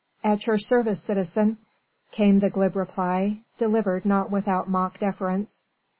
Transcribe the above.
"At your service, citizen," came the glib reply, delivered not without mock deference.